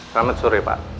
selamat sore pak